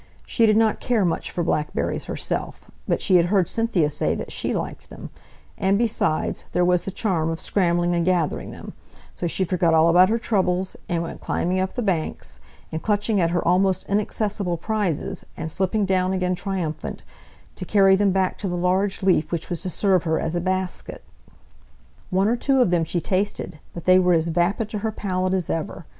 She did not care much for blackberries herself; but she had heard Cynthia say that she liked them; and besides there was the charm of scrambling and gathering them; so she forgot all about her troubles, and went climbing up the banks, and clutching at her almost inaccessible prizes, and slipping down again triumphant, to carry them back to the large leaf which was to serve her as a basket. One or two of them she tasted, but they were as vapid to her palate as ever.